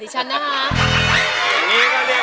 ใช้